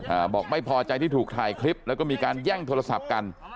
บอกไม่พอใจที่ถูกถ่ายคลิปแล้วก็มีการแย่งโทรศัพท์กัน